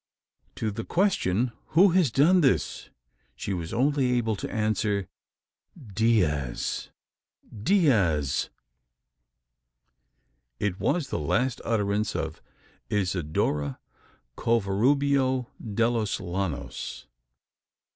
To the question, "Who has done this?" she was only able to answer, "Diaz Diaz!" It was the last utterance of Isidora Covarubio de los Llanos!